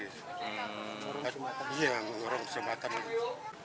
iya menurut jembatan ini